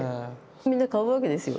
みんな買うわけですよ。